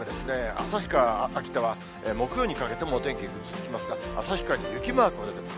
旭川や秋田は木曜にかけてもお天気ぐずつきますが、旭川に雪マークが出てます。